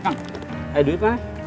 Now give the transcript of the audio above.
ada duit nggak